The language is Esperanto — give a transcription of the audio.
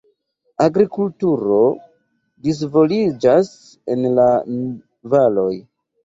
Agrikulturo disvolviĝas en la valoj.